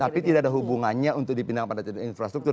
tapi tidak ada hubungannya untuk dipindahkan pada infrastruktur